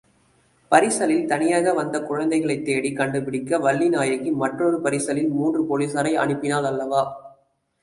பரிசலில் தனியாக வந்த குழந்தைகளைத் தேடிக் கண்டுபிடிக்க வள்ளிநாயகி மற்றொரு பரிசலில் மூன்று போலீசாரை அனுப்பினாள் அல்லவா?